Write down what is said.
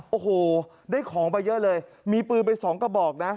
โอ้โหได้ของไปเยอะเลยมีปืนไปสองกระบอกนะ